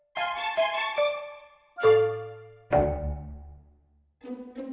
jalan mau zasio